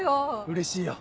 うれしいよ。